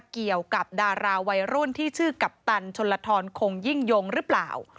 เกี่ยวกับดาราวัยรุ่นที่ชื่อกัปตันชนลทรคงยิ่งยงหรือเปล่า